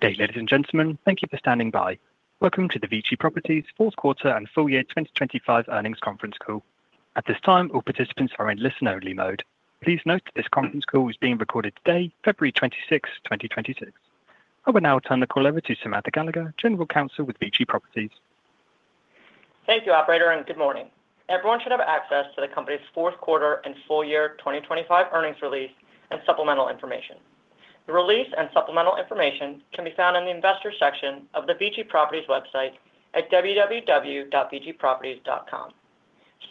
Good day, ladies and gentlemen. Thank you for standing by. Welcome to the VICI Properties Fourth Quarter and Full Year 2025 Earnings Conference Call. At this time, all participants are in listen-only mode. Please note that this conference call is being recorded today, February 26, 2026. I will now turn the call over to Samantha Gallagher, General Counsel with VICI Properties. Thank you, Operator, good morning. Everyone should have access to the company's fourth quarter and full year 2025 earnings release and supplemental information. The release and supplemental information can be found on the investor section of the VICI Properties website at www.viciproperties.com.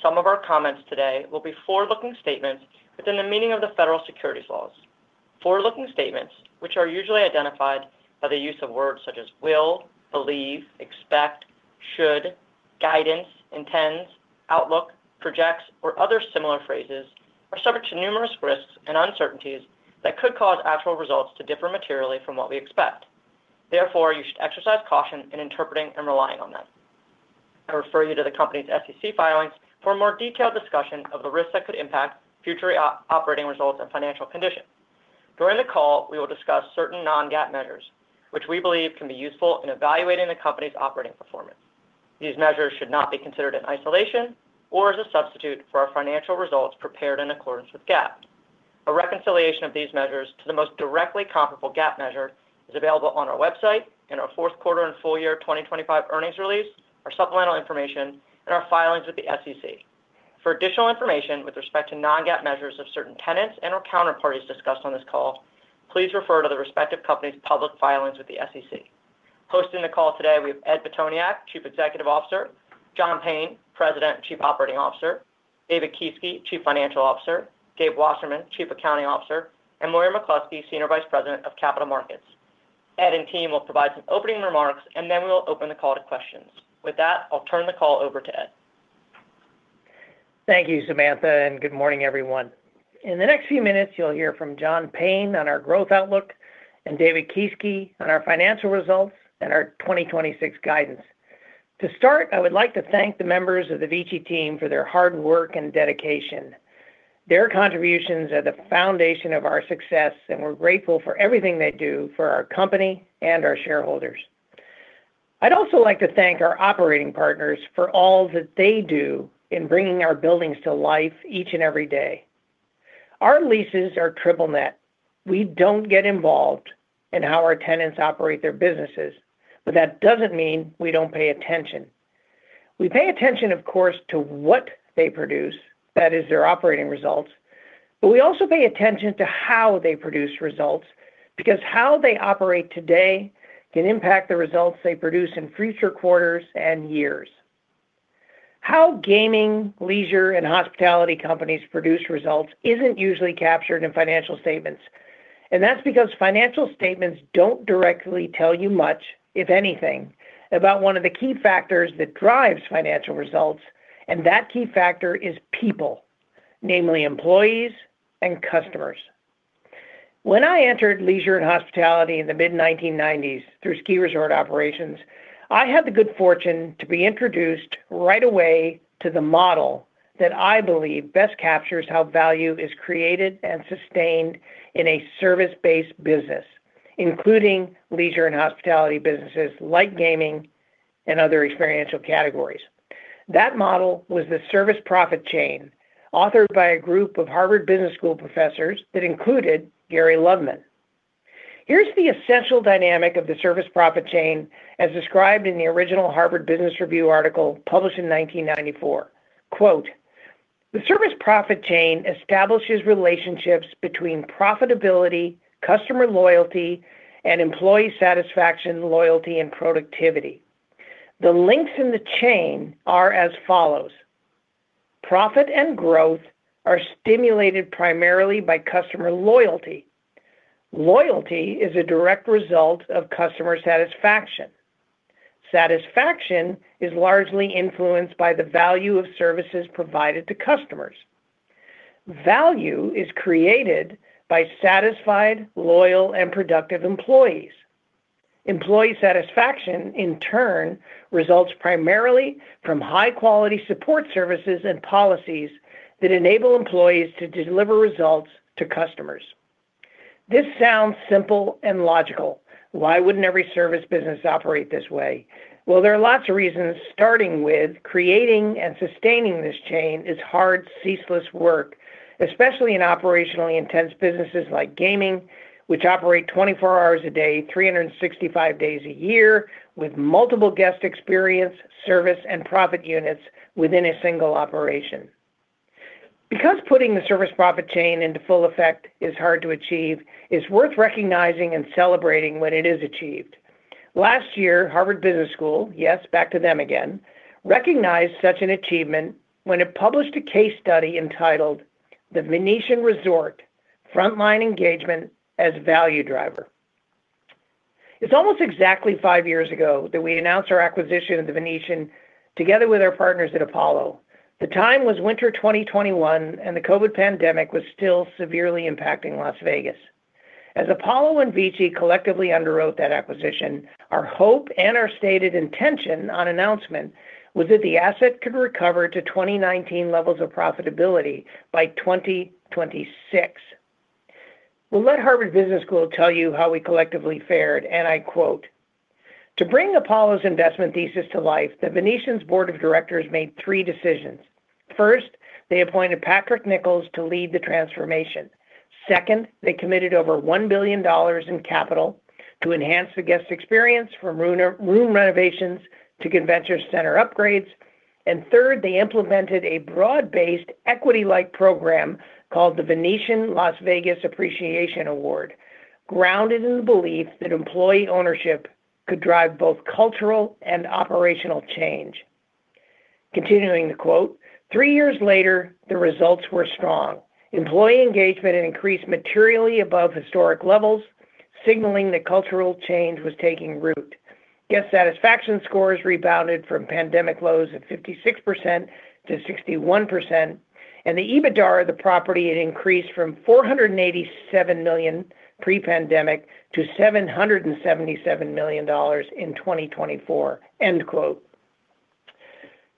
Some of our comments today will be forward-looking statements within the meaning of the federal securities laws. Forward-looking statements, which are usually identified by the use of words such as will, believe, expect, should, guidance, intends, outlook, projects, or other similar phrases, are subject to numerous risks and uncertainties that could cause actual results to differ materially from what we expect. You should exercise caution in interpreting and relying on them. I refer you to the company's SEC filings for a more detailed discussion of the risks that could impact future operating results and financial conditions. During the call, we will discuss certain non-GAAP measures, which we believe can be useful in evaluating the company's operating performance. These measures should not be considered in isolation or as a substitute for our financial results prepared in accordance with GAAP. A reconciliation of these measures to the most directly comparable GAAP measure is available on our website in our fourth quarter and full year 2025 earnings release, our supplemental information, and our filings with the SEC. For additional information with respect to non-GAAP measures of certain tenants and/or counterparties discussed on this call, please refer to the respective company's public filings with the SEC. Hosting the call today, we have Ed Pitoniak, Chief Executive Officer; John Payne, President and Chief Operating Officer; David Kieske, Chief Financial Officer; Gabe Wasserman, Chief Accounting Officer; and William McCluskey, Senior Vice President of Capital Markets. Ed and team will provide some opening remarks, and then we will open the call to questions. With that, I'll turn the call over to Ed. Thank you, Samantha, and good morning, everyone. In the next few minutes, you'll hear from John Payne on our growth outlook and David Kieske on our financial results and our 2026 guidance. To start, I would like to thank the members of the VICI team for their hard work and dedication. Their contributions are the foundation of our success, and we're grateful for everything they do for our company and our shareholders. I'd also like to thank our operating partners for all that they do in bringing our buildings to life each and every day. Our leases are triple net. We don't get involved in how our tenants operate their businesses, but that doesn't mean we don't pay attention. We pay attention, of course, to what they produce, that is their operating results, but we also pay attention to how they produce results, because how they operate today can impact the results they produce in future quarters and years. How gaming, leisure, and hospitality companies produce results isn't usually captured in financial statements, and that's because financial statements don't directly tell you much, if anything, about one of the key factors that drives financial results, and that key factor is people, namely employees and customers. When I entered leisure and hospitality in the mid-1990s through ski resort operations, I had the good fortune to be introduced right away to the model that I believe best captures how value is created and sustained in a service-based business, including leisure and hospitality businesses like gaming and other experiential categories. That model was the service profit chain, authored by a group of Harvard Business School professors that included Gary Loveman. Here's the essential dynamic of the service profit chain, as described in the original Harvard Business Review article published in 1994. Quote, "The service profit chain establishes relationships between profitability, customer loyalty, and employee satisfaction, loyalty, and productivity. The links in the chain are as follows: Profit and growth are stimulated primarily by customer loyalty. Loyalty is a direct result of customer satisfaction. Satisfaction is largely influenced by the value of services provided to customers. Value is created by satisfied, loyal, and productive employees. Employee satisfaction, in turn, results primarily from high-quality support services and policies that enable employees to deliver results to customers." This sounds simple and logical. Why wouldn't every service business operate this way? There are lots of reasons, starting with creating and sustaining this chain is hard, ceaseless work, especially in operationally intense businesses like gaming, which operate 24 hours a day, 365 days a year, with multiple guest experience, service, and profit units within a single operation. Putting the service-profit chain into full effect is hard to achieve, it's worth recognizing and celebrating when it is achieved. Last year, Harvard Business School, yes, back to them again, recognized such an achievement when it published a case study entitled The Venetian Resort: Frontline Engagement as Value Driver. It's almost exactly five years ago that we announced our acquisition of The Venetian, together with our partners at Apollo. The time was winter 2021, and the COVID pandemic was still severely impacting Las Vegas. As Apollo and VICI collectively underwrote that acquisition, our hope and our stated intention on announcement was that the asset could recover to 2019 levels of profitability by 2026. We'll let Harvard Business School tell you how we collectively fared, and I quote, "To bring Apollo's investment thesis to life, The Venetian's board of directors made three decisions. First, they appointed Patrick Nichols to lead the transformation. Second, they committed over $1 billion in capital to enhance the guest experience, from room renovations to convention center upgrades. Third, they implemented a broad-based, equity-like program called the Venetian Appreciation Award, grounded in the belief that employee ownership could drive both cultural and operational change." Continuing the quote, "Three years later, the results were strong. Employee engagement had increased materially above historic levels, signaling that cultural change was taking root. Guest satisfaction scores rebounded from pandemic lows of 56%-61%, and the EBITDA of the property had increased from $487 million pre-pandemic to $777 million in 2024. End quote.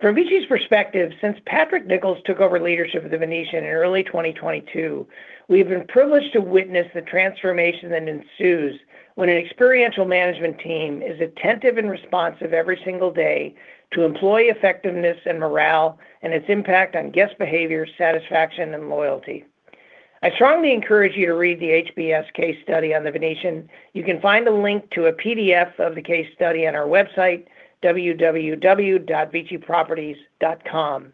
From VICI's perspective, since Patrick Nichols took over leadership of The Venetian in early 2022, we've been privileged to witness the transformation that ensues when an experiential management team is attentive and responsive every single day to employee effectiveness and morale, and its impact on guest behavior, satisfaction, and loyalty. I strongly encourage you to read the HBS case study on The Venetian. You can find the link to a PDF of the case study on our website, www.viciproperties.com.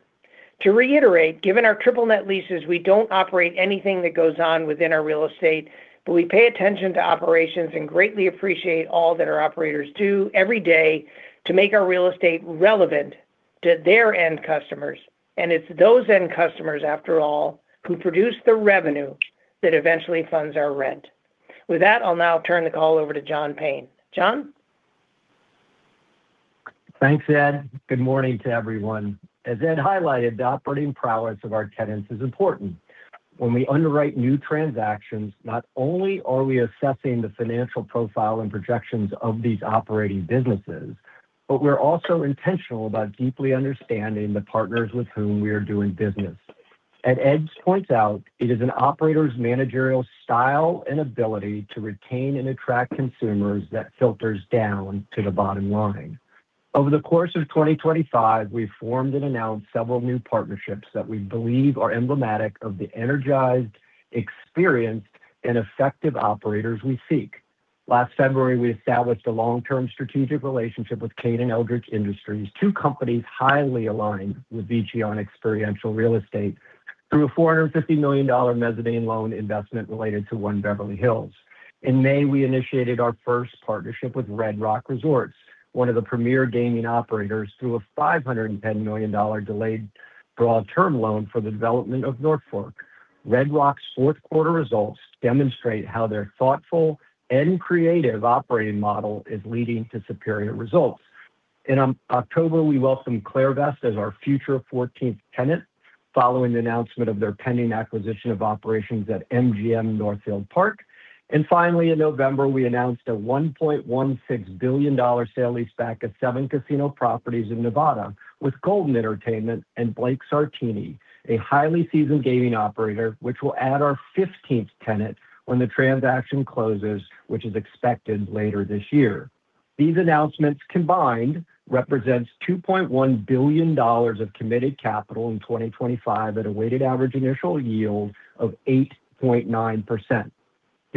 To reiterate, given our triple net leases, we don't operate anything that goes on within our real estate, but we pay attention to operations and greatly appreciate all that our operators do every day to make our real estate relevant to their end customers. It's those end customers, after all, who produce the revenue that eventually funds our rent. With that, I'll now turn the call over to John Payne. John? Thanks, Ed. Good morning to everyone. As Ed highlighted, the operating prowess of our tenants is important. When we underwrite new transactions, not only are we assessing the financial profile and projections of these operating businesses, but we're also intentional about deeply understanding the partners with whom we are doing business. As Ed points out, it is an operator's managerial style and ability to retain and attract consumers that filters down to the bottom line. Over the course of 2025, we've formed and announced several new partnerships that we believe are emblematic of the energized, experienced, and effective operators we seek. Last February, we established a long-term strategic relationship with Cain and Eldridge Industries, two companies highly aligned with VICI on experiential real estate, through a $450 million mezzanine loan investment related to One Beverly Hills. In May, we initiated our first partnership with Red Rock Resorts, one of the premier gaming operators, through a $510 million delayed draw term loan for the development of North Fork. Red Rock's fourth quarter results demonstrate how their thoughtful and creative operating model is leading to superior results. In October, we welcomed Clairvest as our future fourteenth tenant, following the announcement of their pending acquisition of operations at MGM Northfield Park. Finally, in November, we announced a $1.16 billion sale leaseback of seven casino properties in Nevada with Golden Entertainment and Blake Sartini, a highly seasoned gaming operator, which will add our fifteenth tenant when the transaction closes, which is expected later this year. These announcements combined represents $2.1 billion of committed capital in 2025 at a weighted average initial yield of 8.9%.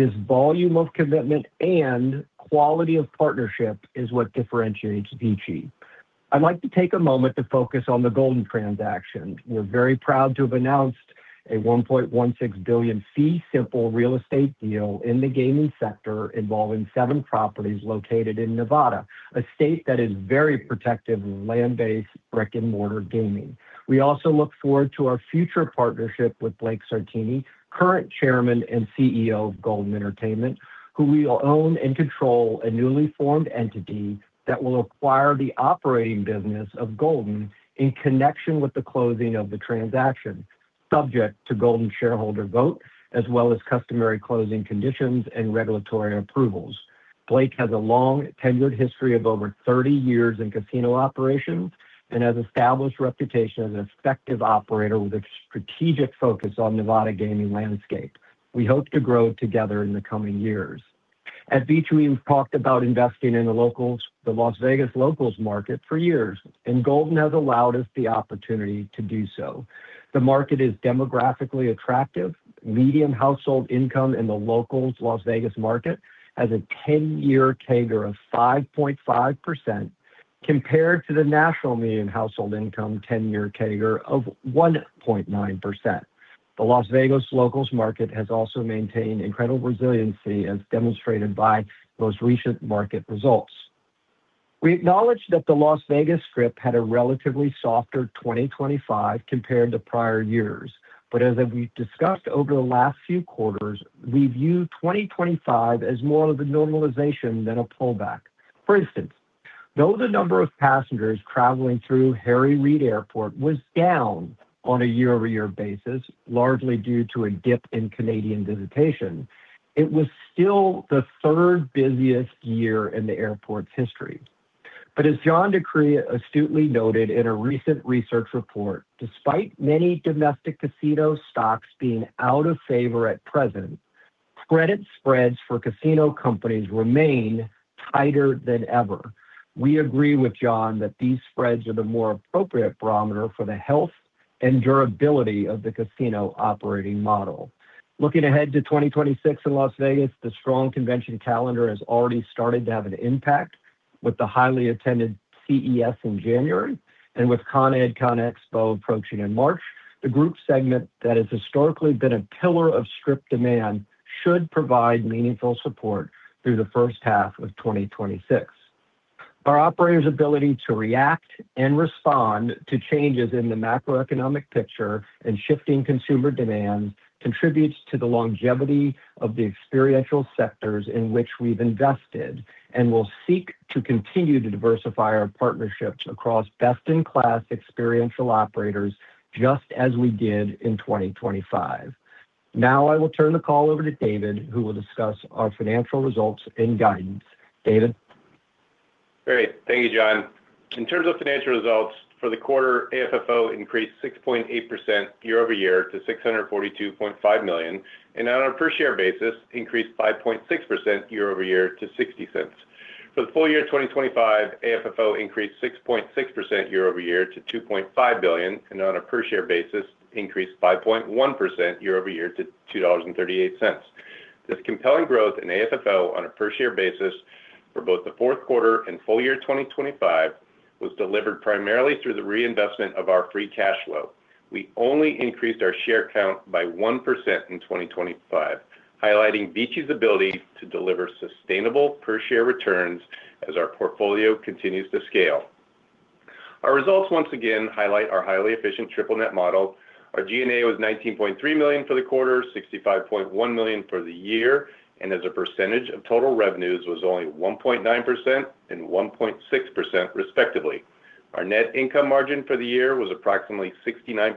This volume of commitment and quality of partnership is what differentiates VICI. I'd like to take a moment to focus on the Golden transaction. We're very proud to have announced a $1.16 billion fee-simple real estate deal in the gaming sector involving seven properties located in Nevada, a state that is very protective of land-based brick-and-mortar gaming. We also look forward to our future partnership with Blake Sartini, current Chairman and CEO of Golden Entertainment, who will own and control a newly formed entity that will acquire the operating business of Golden in connection with the closing of the transaction, subject to Golden shareholder vote, as well as customary closing conditions and regulatory approvals. Blake has a long, tenured history of over 30 years in casino operations and has established reputation as an effective operator with a strategic focus on Nevada gaming landscape. We hope to grow together in the coming years. At VICI, we've talked about investing in the locals, the Las Vegas locals market for years, and Golden has allowed us the opportunity to do so. The market is demographically attractive. Median household income in the locals Las Vegas market has a 10-year CAGR of 5.5%, compared to the national median household income 10-year CAGR of 1.9%. The Las Vegas locals market has also maintained incredible resiliency, as demonstrated by those recent market results. We acknowledge that the Las Vegas Strip had a relatively softer 2025 compared to prior years, but as we've discussed over the last few quarters, we view 2025 as more of a normalization than a pullback. For instance, though the number of passengers traveling through Harry Reid Airport was down on a year-over-year basis, largely due to a dip in Canadian visitation, it was still the third busiest year in the airport's history. As John DeCree astutely noted in a recent research report, despite many domestic casino stocks being out of favor at present, credit spreads for casino companies remain tighter than ever. We agree with John that these spreads are the more appropriate barometer for the health and durability of the casino operating model. Looking ahead to 2026 in Las Vegas, the strong convention calendar has already started to have an impact with the highly attended CES in January and with CONEXPO-CON/AGG approaching in March. The group segment that has historically been a pillar of Strip demand should provide meaningful support through the first half of 2026. Our operators' ability to react and respond to changes in the macroeconomic picture and shifting consumer demand contributes to the longevity of the experiential sectors in which we've invested. We'll seek to continue to diversify our partnerships across best-in-class experiential operators, just as we did in 2025. Now, I will turn the call over to David, who will discuss our financial results and guidance. David? Great. Thank you, John. In terms of financial results for the quarter, AFFO increased 6.8% year-over-year to $642.5 million, and on a per share basis, increased 5.6% year-over-year to $0.60. For the full year 2025, AFFO increased 6.6% year-over-year to $2.5 billion, and on a per share basis, increased 5.1% year-over-year to $2.38. This compelling growth in AFFO on a per share basis for both the fourth quarter and full year 2025 was delivered primarily through the reinvestment of our free cash flow. We only increased our share count by 1% in 2025, highlighting VICI's ability to deliver sustainable per share returns as our portfolio continues to scale. Our results once again highlight our highly efficient triple net model. Our G&A was $19.3 million for the quarter, $65.1 million for the year, and as a percentage of total revenues, was only 1.9% and 1.6%, respectively. Our net income margin for the year was approximately 69%,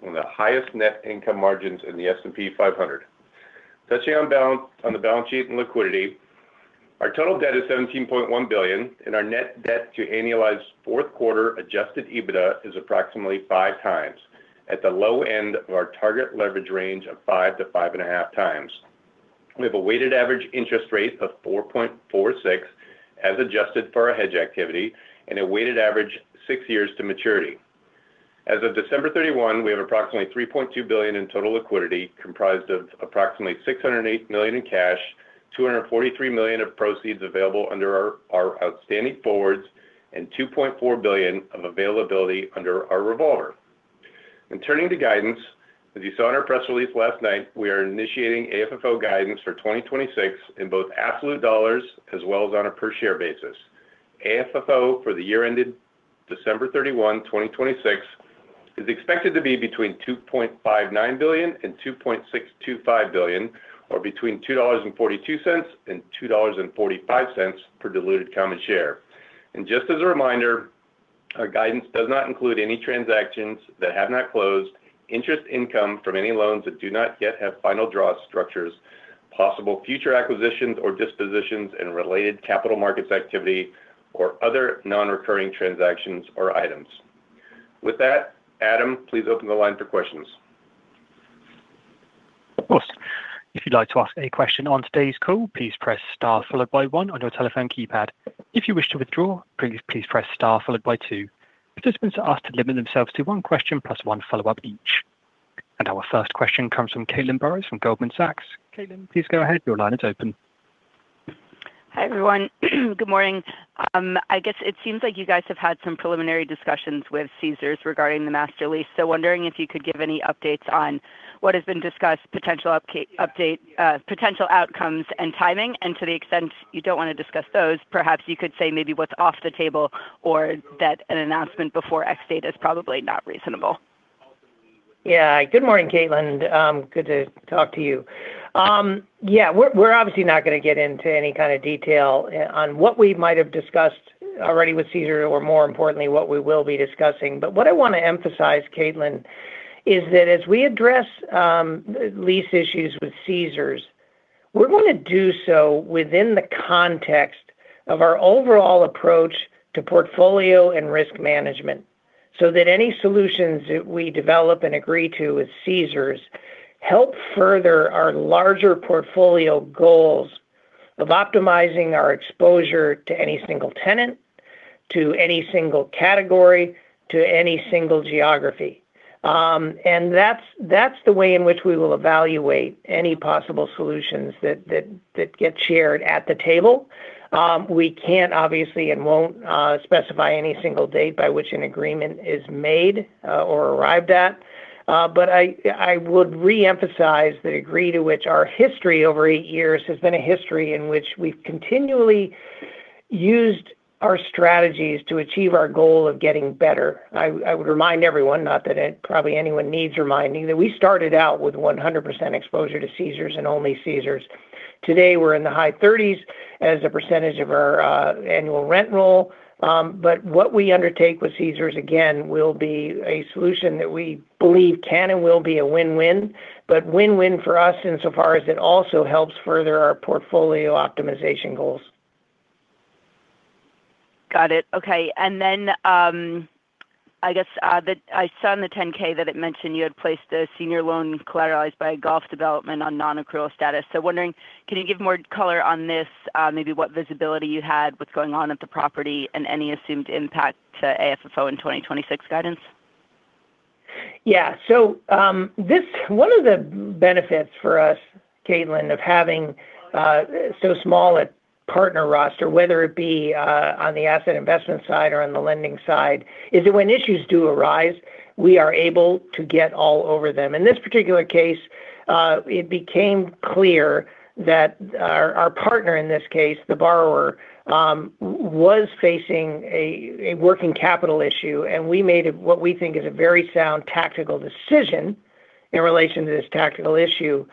one of the highest net income margins in the S&P 500. Touching on the balance sheet and liquidity, our total debt is $17.1 billion, and our net debt to annualized fourth quarter adjusted EBITDA is approximately 5x, at the low end of our target leverage range of 5x-5.5x. We have a weighted average interest rate of 4.46% as adjusted for our hedge activity and a weighted average six years to maturity. As of December 31, we have approximately $3.2 billion in total liquidity, comprised of approximately $608 million in cash, $243 million of proceeds available under our outstanding forwards, and $2.4 billion of availability under our revolver. Turning to guidance, as you saw in our press release last night, we are initiating AFFO guidance for 2026 in both absolute dollars as well as on a per share basis. AFFO for the year ended December 31, 2026, is expected to be between $2.59 billion and $2.625 billion, or between $2.42 and $2.45 per diluted common share. Just as a reminder, our guidance does not include any transactions that have not closed, interest income from any loans that do not yet have final draw structures, possible future acquisitions or dispositions and related capital markets activity, or other non-recurring transactions or items. With that, Adam, please open the line for questions. Of course. If you'd like to ask any question on today's call, please press Star followed by 1 on your telephone keypad. If you wish to withdraw, please press star followed by two. Participants are asked to limit themselves to one question plus one follow-up each. Our first question comes from Caitlin Burrows from Goldman Sachs. Caitlin, please go ahead. Your line is open. Hi, everyone. Good morning. I guess it seems like you guys have had some preliminary discussions with Caesars regarding the master lease. Wondering if you could give any updates on what has been discussed, potential update, potential outcomes and timing. To the extent you don't want to discuss those, perhaps you could say maybe what's off the table or that an announcement before X-date is probably not reasonable. Yeah. Good morning, Caitlin. Good to talk to you. Yeah, we're obviously not gonna get into any kind of detail on what we might have discussed already with Caesars, or more importantly, what we will be discussing. What I want to emphasize, Caitlin, is that as we address lease issues with Caesars, we're gonna do so within the context of our overall approach to portfolio and risk management, so that any solutions that we develop and agree to with Caesars help further our larger portfolio goals of optimizing our exposure to any single tenant, to any single category, to any single geography. That's the way in which we will evaluate any possible solutions that get shared at the table. We can't obviously and won't specify any single date by which an agreement is made or arrived at. I would reemphasize the degree to which our history over eight years has been a history in which we've continually used our strategies to achieve our goal of getting better. I would remind everyone, not that probably anyone needs reminding, that we started out with 100% exposure to Caesars and only Caesars. Today, we're in the high 30s as a percentage of our annual rent roll. What we undertake with Caesars, again, will be a solution that we believe can and will be a win-win, but win-win for us insofar as it also helps further our portfolio optimization goals. Got it. Okay, I saw in the 10-K that it mentioned you had placed a senior loan collateralized by a golf development on non-accrual status. Wondering, can you give more color on this, maybe what visibility you had, what's going on at the property, and any assumed impact to AFFO in 2026 guidance? One of the benefits for us, Caitlin, of having so small a partner roster, whether it be on the asset investment side or on the lending side, is that when issues do arise, we are able to get all over them. In this particular case, it became clear that our partner in this case, the borrower, was facing a working capital issue, and we made it what we think is a very sound tactical decision in relation to this tactical issue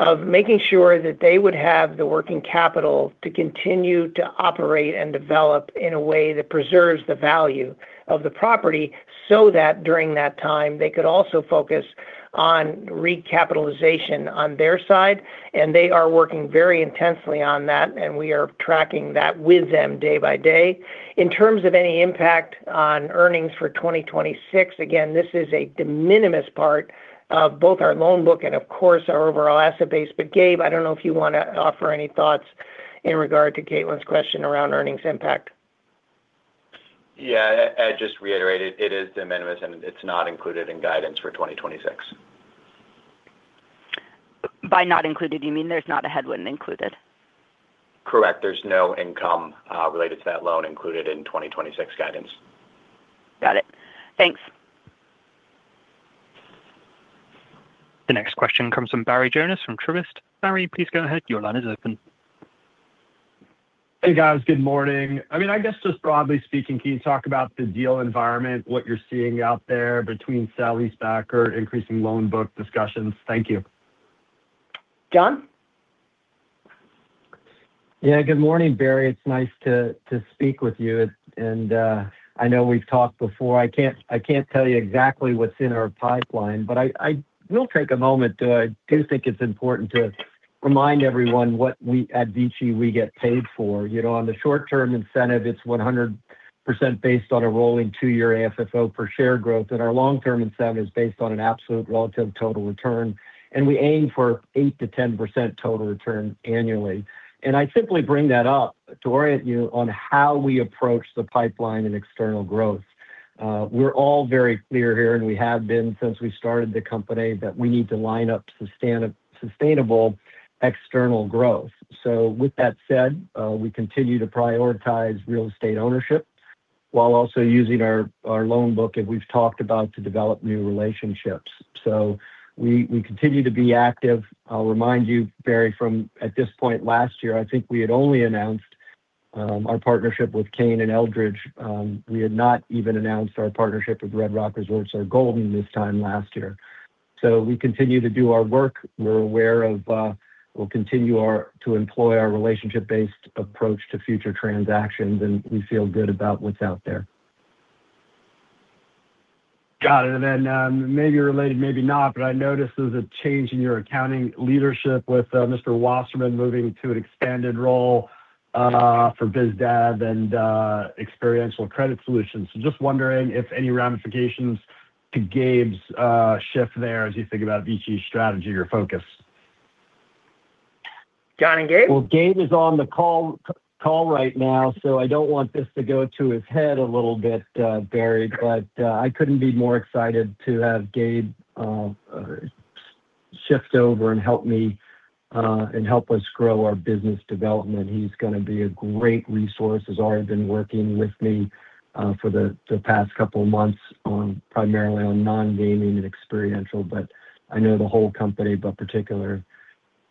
of making sure that they would have the working capital to continue to operate and develop in a way that preserves the value of the property. During that time, they could also focus on recapitalization on their side, and they are working very intensely on that, and we are tracking that with them day by day. In terms of any impact on earnings for 2026, again, this is a de minimis part of both our loan book and, of course, our overall asset base. Gabe, I don't know if you wanna offer any thoughts in regard to Caitlin's question around earnings impact. I just reiterate it is de minimis, and it's not included in guidance for 2026. By not included, you mean there's not a headwind included? Correct. There's no income related to that loan included in 2026 guidance. Got it. Thanks. The next question comes from Barry Jonas from Truist. Barry, please go ahead. Your line is open. Hey, guys. Good morning. I mean, I guess just broadly speaking, can you talk about the deal environment, what you're seeing out there between sale leaseback or increasing loan book discussions? Thank you. John? Yeah, good morning, Barry. It's nice to speak with you, and I know we've talked before. I can't tell you exactly what's in our pipeline, but I will take a moment. I do think it's important to remind everyone what we at VICI get paid for. You know, on the short term incentive, it's 100% based on a rolling two-year AFFO per share growth. Our long-term incentive is based on an absolute relative total return. We aim for 8%-10% total return annually. I simply bring that up to orient you on how we approach the pipeline and external growth. We're all very clear here. We have been since we started the company, that we need to line up sustainable external growth. With that said, we continue to prioritize real estate ownership while also using our loan book, as we've talked about, to develop new relationships. We continue to be active. I'll remind you, Barry, from at this point last year, I think we had only announced our partnership with Cain and Eldridge. We had not even announced our partnership with Red Rock Resorts or Golden this time last year. We continue to do our work. We're aware of to employ our relationship-based approach to future transactions, and we feel good about what's out there. Got it. Maybe related, maybe not, but I noticed there's a change in your accounting leadership with Mr. Wasserman moving to an expanded role for biz dev and experiential credit solutions. Just wondering if any ramifications to Gabe's shift there as you think about VICI's strategy or focus. John and Gabe? Gabe is on the call right now, so I don't want this to go to his head a little bit, Barry, I couldn't be more excited to have Gabe shift over and help me and help us grow our business development. He's gonna be a great resource. He's already been working with me for the past couple of months on, primarily on non-gaming and experiential, I know the whole company, particularly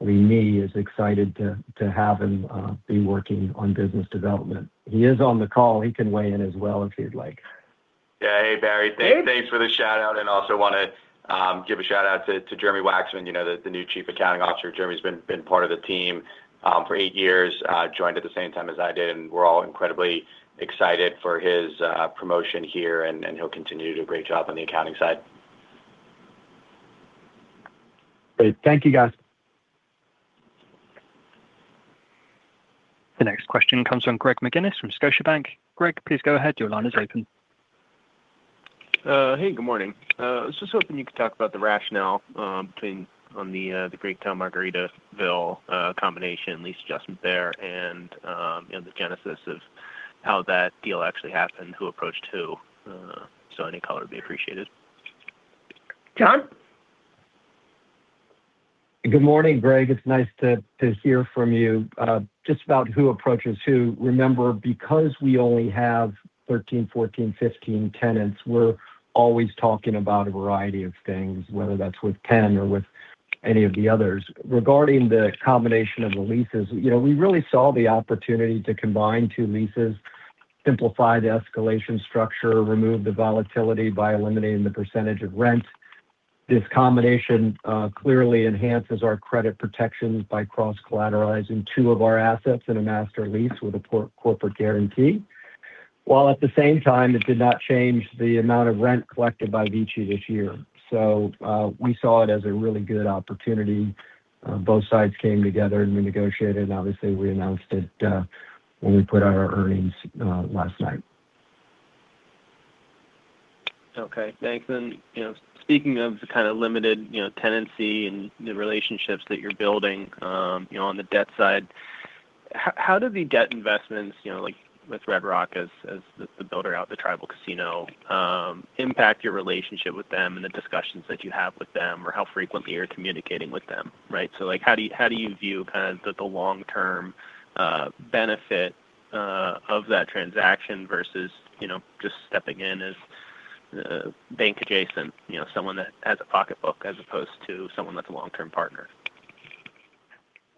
me, is excited to have him be working on business development. He is on the call. He can weigh in as well if he'd like. Yeah. Hey, Barry. Gabe?... thanks for the shout-out, and also wanna give a shout-out to Jeremy Waxman, you know, the new Chief Accounting Officer. Jeremy's been part of the team for eight years, joined at the same time as I did, and we're all incredibly excited for his promotion here, and he'll continue to do a great job on the accounting side. Great. Thank you, guys. The next question comes from Greg McGinniss from Scotiabank. Greg, please go ahead. Your line is open. Hey, good morning. I was just hoping you could talk about the rationale between on the Greektown Margaritaville combination, lease adjustment there, and, you know, the genesis of how that deal actually happened, who approached who? Any color would be appreciated. John? Good morning, Greg. It's nice to hear from you. Just about who approaches who, remember, because we only have 13, 14, 15 tenants, we're always talking about a variety of things, whether that's with Ken or with any of the others. Regarding the combination of the leases, you know, we really saw the opportunity to combine two leases, simplify the escalation structure, remove the volatility by eliminating the percentage of rents. This combination clearly enhances our credit protections by cross-collateralizing two of our assets in a master lease with a corporate guarantee, while at the same time, it did not change the amount of rent collected by VICI this year. We saw it as a really good opportunity. Both sides came together and we negotiated, and obviously we announced it when we put out our earnings last night. Okay, thanks. You know, speaking of the kind of limited, you know, tenancy and the relationships that you're building, you know, on the debt side. How do the debt investments, you know, like with Red Rock as the builder out the tribal casino, impact your relationship with them and the discussions that you have with them, or how frequently you're communicating with them, right? Like, how do you view kind of the long-term benefit of that transaction versus, you know, just stepping in as bank adjacent, you know, someone that has a pocketbook as opposed to someone that's a long-term partner?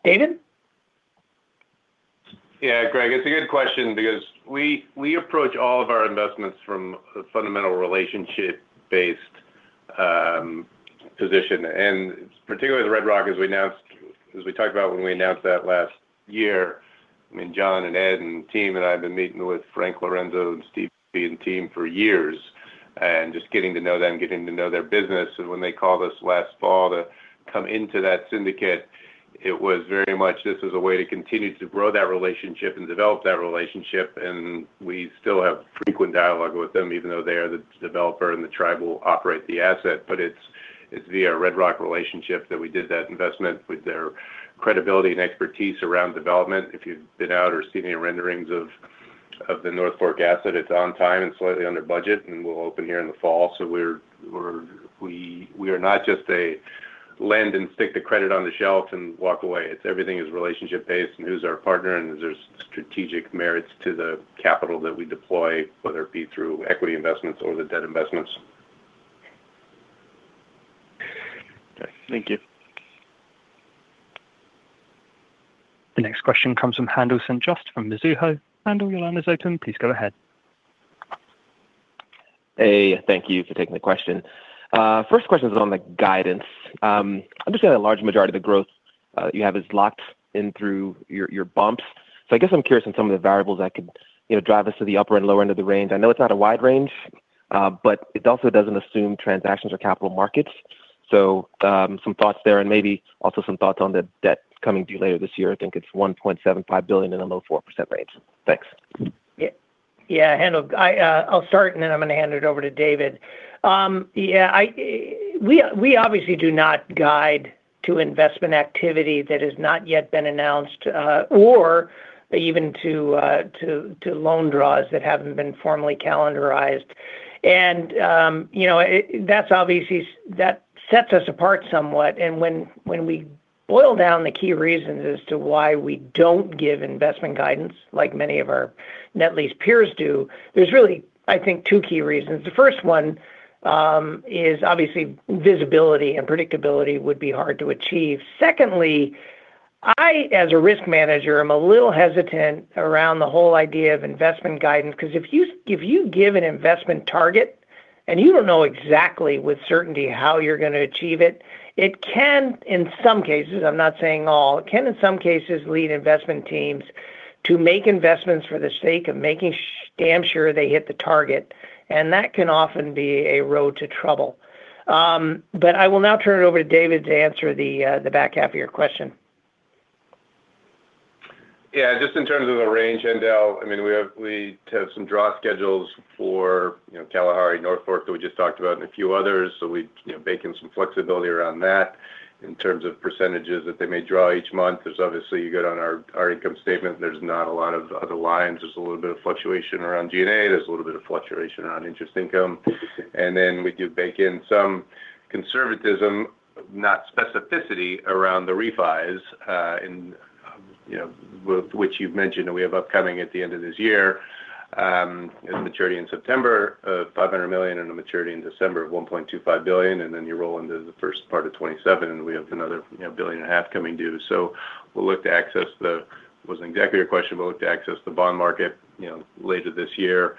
David? Yeah, Greg, it's a good question because we approach all of our investments from a fundamental relationship-based position. Particularly the Red Rock Resorts, as we talked about when we announced that last year, I mean, John and Ed and team and I have been meeting with Frank Fertitta III and Steve and team for years, and just getting to know them, getting to know their business. When they called us last fall to come into that syndicate, it was very much this is a way to continue to grow that relationship and develop that relationship, and we still have frequent dialogue with them, even though they are the developer and the tribe will operate the asset. It's via Red Rock Resorts relationship that we did that investment with their credibility and expertise around development. If you've been out or seen any renderings of the North Fork asset, it's on time and slightly under budget, and we'll open here in the fall. We are not just a lend and stick the credit on the shelf and walk away. It's everything is relationship based and who's our partner, and there's strategic merits to the capital that we deploy, whether it be through equity investments or the debt investments. Okay, thank you. The next question comes from Haendel St. Juste from Mizuho. Haendel, your line is open. Please go ahead. Hey, thank you for taking the question. First question is on the guidance. I'm just saying a large majority of the growth you have is locked in through your bumps. I guess I'm curious in some of the variables that could, you know, drive us to the upper and lower end of the range. I know it's not a wide range, but it also doesn't assume transactions or capital markets. Some thoughts there, and maybe also some thoughts on the debt coming due later this year. I think it's $1.75 billion in the low 4% range. Thanks. Yeah. Yeah, Haendel, I'll start, and then I'm going to hand it over to David. Yeah, we obviously do not guide to investment activity that has not yet been announced, or even to loan draws that haven't been formally calendarized. You know, that's obviously. That sets us apart somewhat. When we boil down the key reasons as to why we don't give investment guidance, like many of our net lease peers do, there's really, I think, two key reasons. The first one, is obviously visibility and predictability would be hard to achieve. Secondly, I, as a risk manager, am a little hesitant around the whole idea of investment guidance, 'cause if you give an investment target and you don't know exactly with certainty how you're going to achieve it can, in some cases, I'm not saying all, it can, in some cases, lead investment teams to make investments for the sake of making damn sure they hit the target, and that can often be a road to trouble. I will now turn it over to David to answer the back half of your question. Yeah, just in terms of the range, Hendel, I mean, we have some draw schedules for, you know, Kalahari, North Fork that we just talked about and a few others, so we, you know, bake in some flexibility around that. In terms of percentages that they may draw each month, there's obviously, you get on our income statement, there's not a lot of other lines. There's a little bit of fluctuation around G&A, there's a little bit of fluctuation around interest income, and then we do bake in some conservatism, not specificity, around the refis, with which you've mentioned that we have upcoming at the end of this year, and maturity in September, $500 million, and a maturity in December of $1.25 billion, and then you roll into the first part of 2027, and we have another $1.5 billion coming due. We'll look to access the bond market later this year.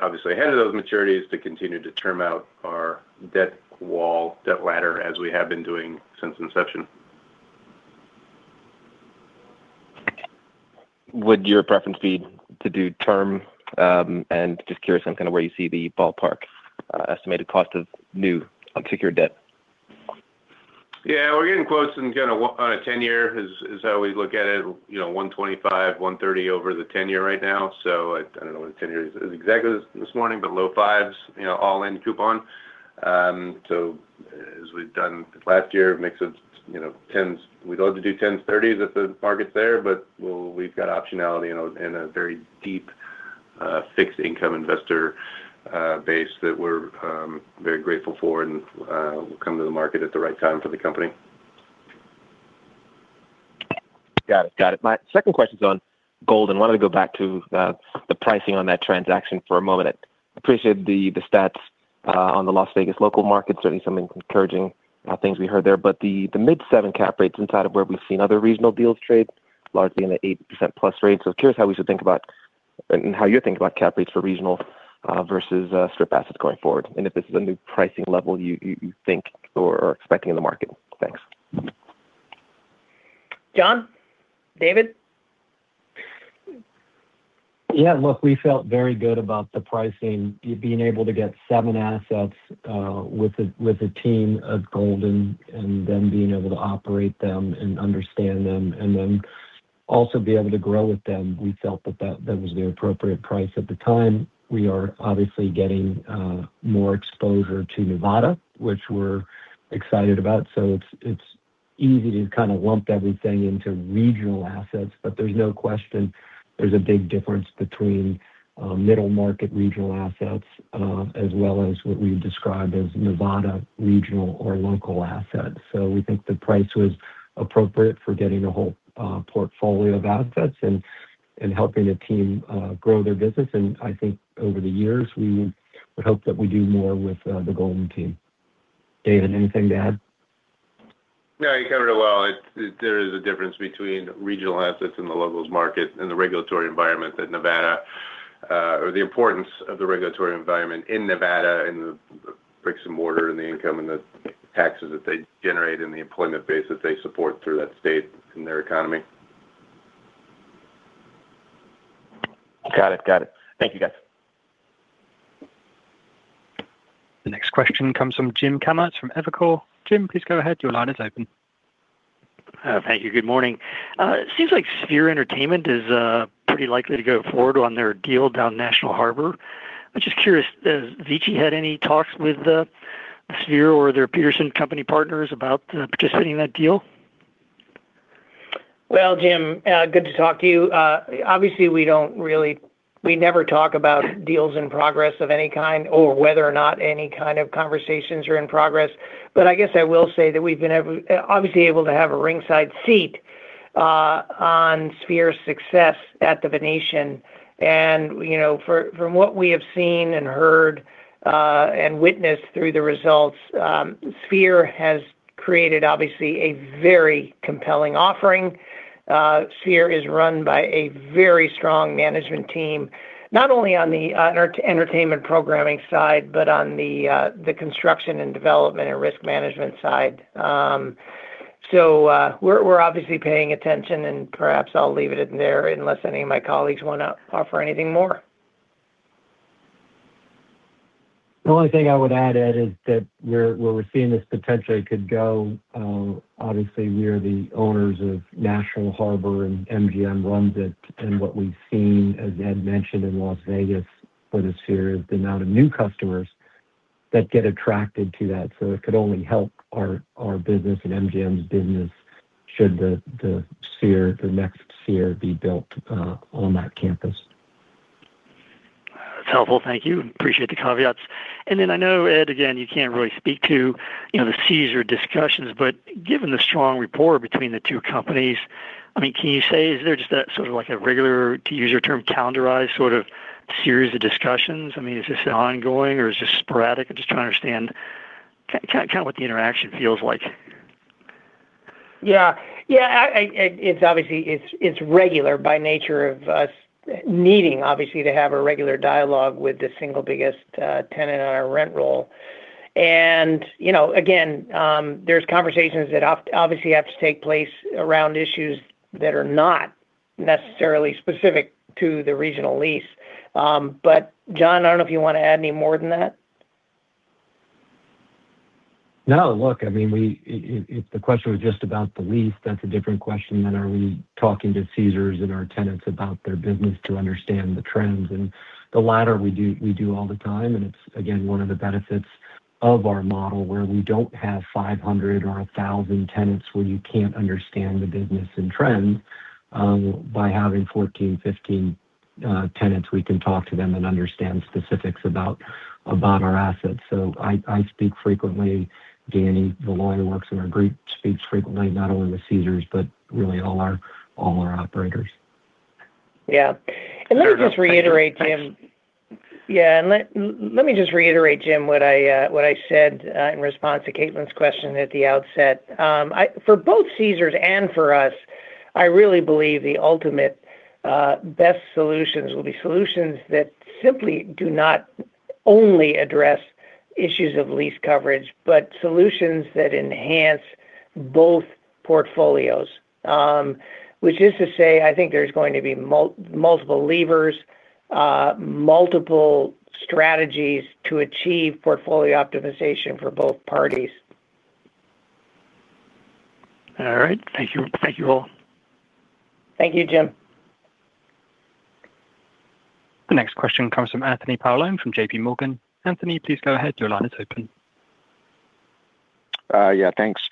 Obviously, ahead of those maturities, to continue to term out our debt wall, debt ladder, as we have been doing since inception. Would your preference be to do term? Just curious on kind of where you see the ballpark, estimated cost of new unsecured debt? We're getting close and kind of on a 10-year is how we look at it. You know, $1.25, $1.30 over the 10-year right now. I don't know what the 10-year is exactly this morning, but low 5s, you know, all in coupon. As we've done last year, a mix of, you know, 10s, we'd love to do 10s, 30s if the market's there, but we've got optionality in a very deep fixed income investor base that we're very grateful for and will come to the market at the right time for the company. Got it. Got it. My second question is on Golden. I wanted to go back to the pricing on that transaction for a moment. I appreciate the stats on the Las Vegas local market. Certainly some encouraging things we heard there, but the mid-7 cap rates inside of where we've seen other regional deals trade, largely in the 8% plus range. I'm curious how we should think about and how you think about cap rates for regional versus strip assets going forward, and if this is a new pricing level you think or are expecting in the market. Thanks. John? David? Yeah, look, we felt very good about the pricing. Being able to get seven assets with a team of Golden and then being able to operate them and understand them, and then also be able to grow with them, we felt that was the appropriate price at the time. We are obviously getting more exposure to Nevada, which we're excited about. It's easy to kind of lump everything into regional assets, but there's no question, there's a big difference between middle market regional assets, as well as what we've described as Nevada regional or local assets. We think the price was appropriate for getting a whole portfolio of assets and helping the team grow their business. I think over the years, we would hope that we do more with the Golden team. David, anything to add? No, you covered it well. There is a difference between regional assets in the locals market and the regulatory environment that Nevada, or the importance of the regulatory environment in Nevada, and the bricks and mortar, and the income, and the taxes that they generate, and the employment base that they support through that state and their economy. Got it. Got it. Thank you, guys. The next question comes from James Kammert from Evercore. Jim, please go ahead. Your line is open. Thank you. Good morning. It seems like Sphere Entertainment is pretty likely to go forward on their deal down National Harbor. I'm just curious, has VICI had any talks with Sphere or their Peterson Companies partners about participating in that deal? Well, Jim, good to talk to you. Obviously, we never talk about deals in progress of any kind or whether or not any kind of conversations are in progress. I guess I will say that we've been obviously able to have a ringside seat on Sphere's success at The Venetian. You know, for, from what we have seen and heard, and witnessed through the results, Sphere has created, obviously, a very compelling offering. Sphere is run by a very strong management team, not only on the entertainment programming side, but on the construction and development and risk management side. We're obviously paying attention, and perhaps I'll leave it in there, unless any of my colleagues wanna offer anything more. The only thing I would add, Ed, is that where we're seeing this potentially could go, obviously, we are the owners of National Harbor, and MGM runs it. What we've seen, as Ed mentioned in Las Vegas for the Sphere, is the amount of new customers that get attracted to that. It could only help our business and MGM's business should the Sphere, the next Sphere be built on that campus. That's helpful. Thank you. Appreciate the caveats. I know, Ed, again, you can't really speak to, you know, the Caesars discussions, but given the strong rapport between the two companies, I mean, can you say, is there just a sort of like a regular, to use your term, calendarized sort of series of discussions? I mean, is this ongoing, or is this sporadic? I'm just trying to understand kind of what the interaction feels like. Yeah, I, it's obviously, it's regular by nature of us needing, obviously, to have a regular dialogue with the single biggest tenant on our rent roll. You know, again, there's conversations that obviously have to take place around issues that are not necessarily specific to the regional lease. John, I don't know if you wanna add any more than that. Look, I mean, if the question was just about the lease, that's a different question than are we talking to Caesars and our tenants about their business to understand the trends, and the latter we do all the time, and it's, again, one of the benefits of our model, where we don't have 500 or 1,000 tenants, where you can't understand the business and trends. By having 14, 15 tenants, we can talk to them and understand specifics about our assets. I speak frequently. Danny Valoy, who works in our group, speaks frequently, not only with Caesars, but really all our operators. Yeah. Yeah. Let me just reiterate, Jim. Thanks. Yeah, let me just reiterate, Jim, what I, what I said in response to Caitlin's question at the outset. I for both Caesars and for us, I really believe the ultimate best solutions will be solutions that simply do not only address issues of lease coverage, but solutions that enhance both portfolios. Which is to say, I think there's going to be multiple levers, multiple strategies to achieve portfolio optimization for both parties. All right. Thank you. Thank you, all. Thank you, Jim. The next question comes from Anthony Paolone from JPMorgan. Anthony, please go ahead. Your line is open. Yeah, thanks.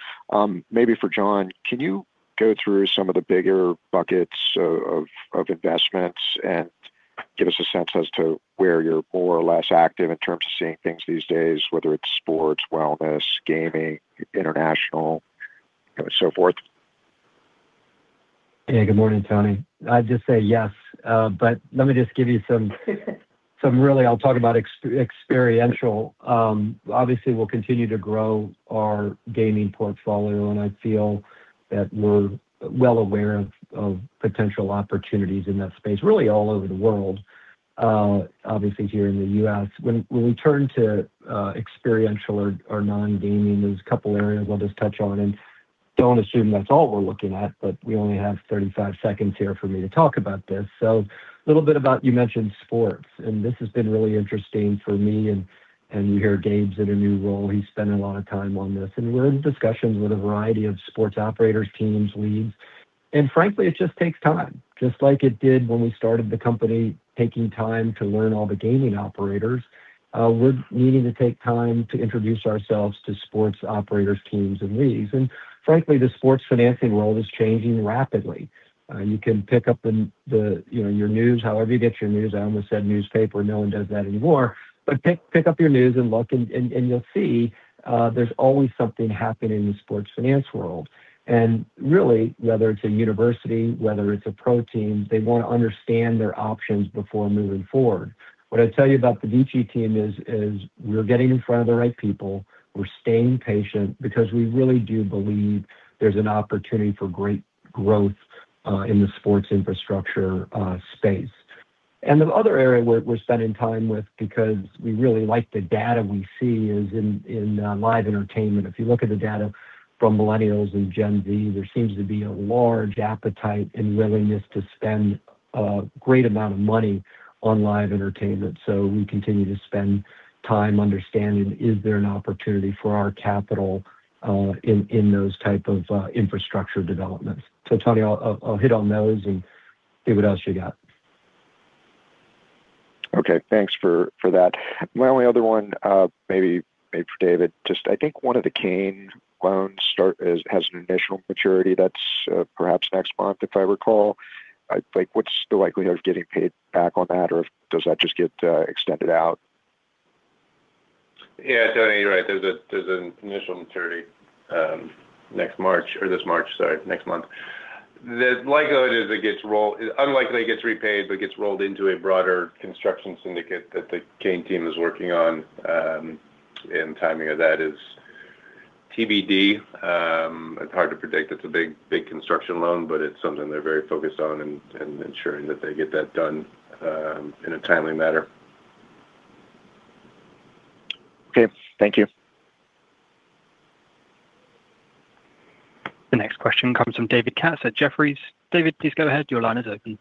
Maybe for John, can you go through some of the bigger buckets of investments and give us a sense as to where you're more or less active in terms of seeing things these days, whether it's sports, wellness, gaming, international, and so forth? Yeah. Good morning, Tony. I'd just say yes, but let me just give you some really. I'll talk about experiential. Obviously, we'll continue to grow our gaming portfolio, and I feel that we're well aware of potential opportunities in that space, really all over the world. Obviously here in the U.S.. When we turn to experiential or non-gaming, there's a couple areas I'll just touch on, and don't assume that's all we're looking at, but we only have 35 seconds here for me to talk about this. A little bit about, you mentioned sports, and this has been really interesting for me, and you hear Gabe's in a new role. He's spent a lot of time on this. We're in discussions with a variety of sports operators, teams, leagues, and frankly, it just takes time, just like it did when we started the company, taking time to learn all the gaming operators. We're needing to take time to introduce ourselves to sports operators, teams, and leagues. Frankly, the sports financing world is changing rapidly. You can pick up in the, you know, your news, however you get your news. I almost said newspaper, no one does that anymore. Pick up your news and look and you'll see, there's always something happening in the sports finance world. Really, whether it's a university, whether it's a pro team, they want to understand their options before moving forward. What I'd tell you about the DG team is we're getting in front of the right people. We're staying patient because we really do believe there's an opportunity for great growth in the sports infrastructure space. The other area we're spending time with, because we really like the data we see, is in live entertainment. If you look at the data from Millennials and Gen Z, there seems to be a large appetite and willingness to spend a great amount of money on live entertainment. We continue to spend time understanding, is there an opportunity for our capital in those type of infrastructure developments? Tony, I'll hit on those and see what else you got. Okay, thanks for that. My only other one, maybe for David, just I think one of the Cain loans has an initial maturity that's perhaps next month, if I recall. Like, what's the likelihood of getting paid back on that, or does that just get extended out? Yeah, Tony, you're right. There's an initial maturity next March or this March, sorry, next month. The likelihood is unlikely it gets repaid, but gets rolled into a broader construction syndicate that the Cain team is working on, and timing of that is TBD. It's hard to predict. It's a big construction loan, but it's something they're very focused on and ensuring that they get that done in a timely manner. Okay, thank you. The next question comes from David Katz at Jefferies. David, please go ahead. Your line is open.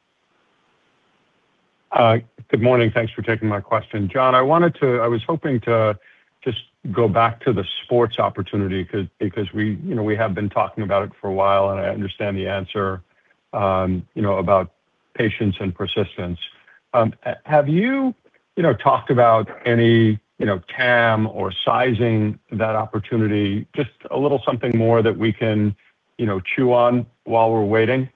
Good morning. Thanks for taking my question. John, I was hoping to just go back to the sports opportunity, because we, you know, we have been talking about it for a while, I understand the answer, you know, about patience and persistence. Have you know, talked about any, you know, TAM or sizing that opportunity, just a little something more that we can, you know, chew on while we're waiting?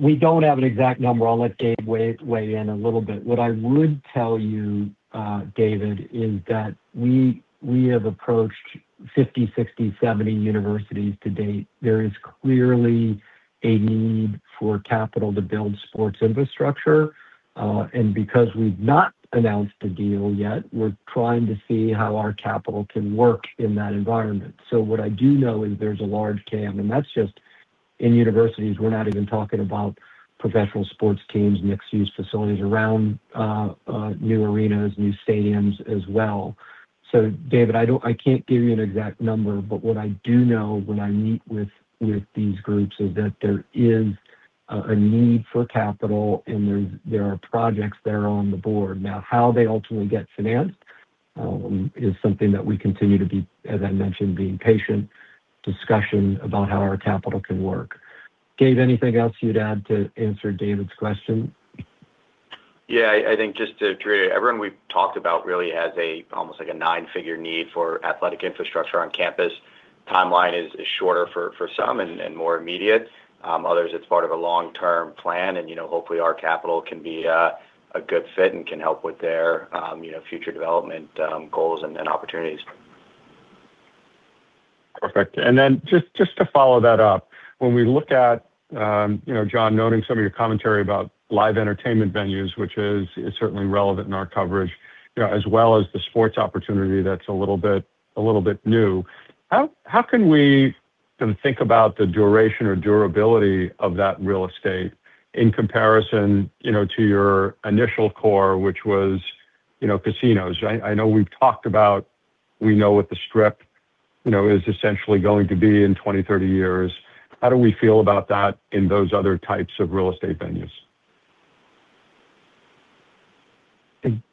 We don't have an exact number. I'll let Gabe weigh in a little bit. What I would tell you, David, is that we have approached 50, 60, 70 universities to date. There is clearly a need for capital to build sports infrastructure, and because we've not announced a deal yet, we're trying to see how our capital can work in that environment. What I do know is there's a large CAM, and that's just in universities. We're not even talking about professional sports teams, mixed-use facilities around new arenas, new stadiums as well. David, I can't give you an exact number, but what I do know when I meet with these groups is that there is a need for capital, and there are projects there on the board. How they ultimately get financed, is something that we continue to be, as I mentioned, being patient, discussion about how our capital can work. David, anything else you'd add to answer David's question? Yeah, I think just to reiterate, everyone we've talked about really has almost like a nine-figure need for athletic infrastructure on campus. Timeline is shorter for some and more immediate. Others, it's part of a long-term plan, and, you know, hopefully, our capital can be a good fit and can help with their, you know, future development goals and opportunities. Perfect. Then just to follow that up, when we look at, you know, John, noting some of your commentary about live entertainment venues, which is, it's certainly relevant in our coverage, as well as the sports opportunity, that's a little bit new. How can we kind of think about the duration or durability of that real estate in comparison, you know, to your initial core, which was, you know, casinos? I know we've talked about, we know what the Strip, you know, is essentially going to be in 20, 30 years. How do we feel about that in those other types of real estate venues?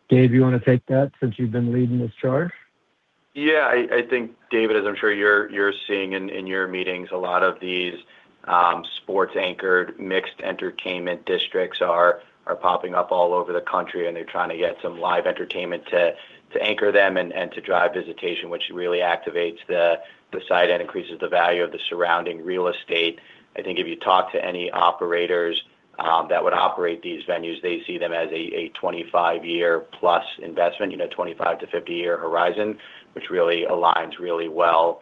Gabe, you want to take that since you've been leading this charge? Yeah, I think, David, as I'm sure you're seeing in your meetings, a lot of these, sports-anchored, mixed entertainment districts are popping up all over the country, and they're trying to get some live entertainment to anchor them and to drive visitation, which really activates the site and increases the value of the surrounding real estate. I think if you talk to any operators, that would operate these venues, they see them as a 25-year plus investment, you know, 25-50-year horizon, which really aligns really well,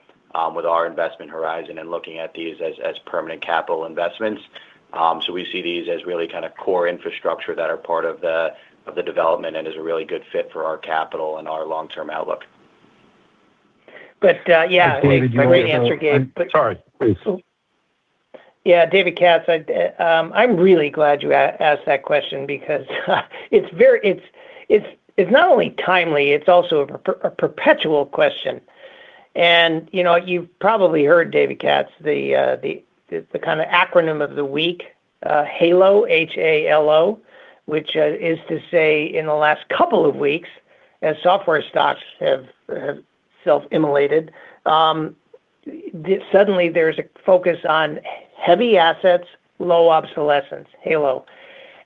with our investment horizon and looking at these as permanent capital investments. We see these as really kind of core infrastructure that are part of the development and is a really good fit for our capital and our long-term outlook.... Yeah, great answer, Gabe. Sorry, please. Yeah, David Katz, I'm really glad you asked that question because it's not only timely, it's also a perpetual question. You know, you've probably heard David Katz, the kind of acronym of the week, HALO, H-A-L-O, which is to say in the last couple of weeks, as software stocks have self-immolated, suddenly there's a focus on heavy assets, low obsolescence, HALO.